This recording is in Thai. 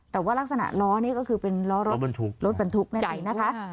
แต่ว่ารักษณะล้อนี่ก็คือเป็นล้อรถบรรทุกนั่นเองนะคะ